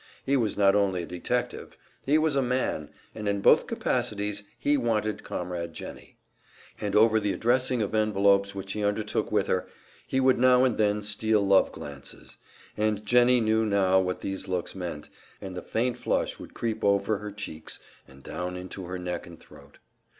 He was not only a detective, he was a man and in both capacities he wanted Comrade Jennie. He had all the rest of the day, and over the addressing of envelopes which he undertook with her, he would now and then steal love glances; and Jennie knew now what these looks meant, and the faint flush would creep over her cheeks and down into her neck and throat.